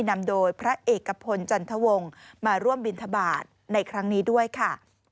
นำโดยพระเอกพลจันทวงศ์มาร่วมบินทบาทในครั้งนี้ด้วยค่ะ